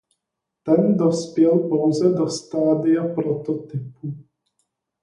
Ten dospěl pouze do stádia prototypu.